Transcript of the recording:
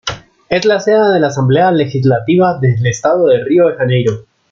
Es la sede de la Asamblea Legislativa del Estado de Río de Janeiro.